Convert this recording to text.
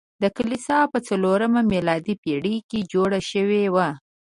دا کلیسا په څلورمه میلادي پیړۍ کې جوړه شوې وه.